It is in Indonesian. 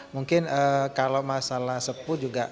mungkin kalau masalah sepuh juga